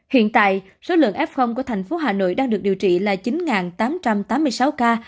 hiện tại số lượng f của thành phố hà nội đang được điều trị là chín tám trăm tám mươi sáu ca